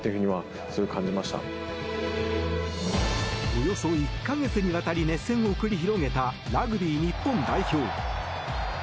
およそ１か月にわたり熱戦を繰り広げたラグビー日本代表。